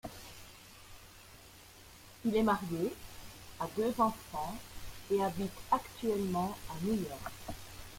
Il est marié, a deux enfants, et habite actuellement à New York.